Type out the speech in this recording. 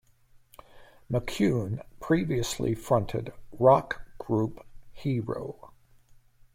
McKeown previously fronted rock group Hero.